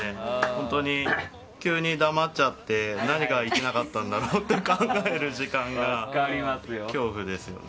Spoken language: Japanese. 本当に急に黙っちゃって何がいけなかったんだろうって考える時間が恐怖ですよね。